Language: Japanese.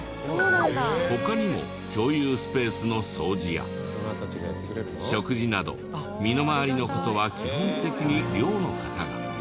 他にも共有スペースの掃除や食事など身の回りの事は基本的に寮の方が。